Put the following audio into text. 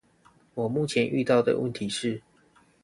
我目前遇到的問題是